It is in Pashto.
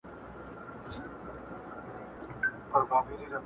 اروښاد منتظر بيټني